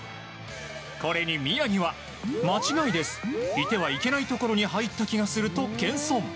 これに宮城は、間違いですいてはいてないところに入った気がすると、謙遜。